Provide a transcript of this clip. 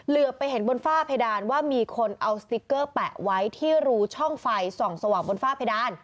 เหลือไปเห็นบนฝ้าเพดานว่ามีคนเอาสติ๊กเกอร์แปะไว้ที่รูช่องไฟส่องสว่างบนฝ้าเพดาน